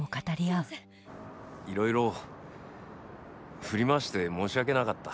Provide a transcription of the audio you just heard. いろいろ振り回して申し訳なかった。